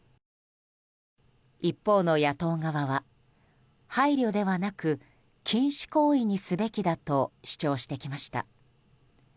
一方の野党側は、配慮ではなく禁止行為にすべきだと主張してきました。